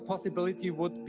kemungkinan lain adalah